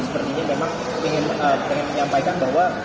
sepertinya memang ingin menyampaikan bahwa